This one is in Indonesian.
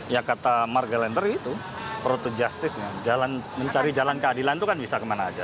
ya kata mark gelender itu protogestisnya mencari jalan keadilan itu kan bisa kemana saja